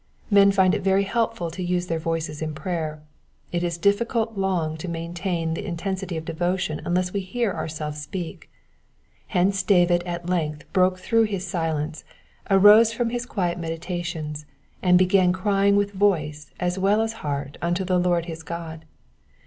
''^ Men find it very helpful to use their voices in prayer ; it is difficult long to maintain the intensity of devotion unless we hear ourselves speak ; hence David at length broke through his silence, arose fiom his quiet meditations, and began crying with voice as well as heart unto the Lord his God.